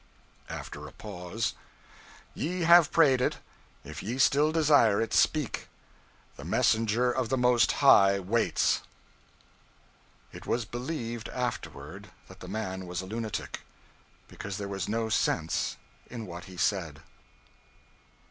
(After a pause.) "Ye have prayed it; if ye still desire it, speak! The messenger of the Most High waits!" It was believed afterward that the man was a lunatic, because there was no sense in what he said.